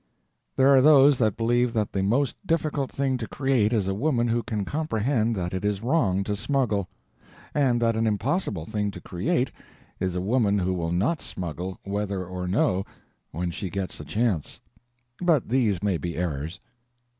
There are those that believe that the most difficult thing to create is a woman who can comprehend that it is wrong to smuggle; and that an impossible thing to create is a woman who will not smuggle, whether or no, when she gets a chance. But these may be errors.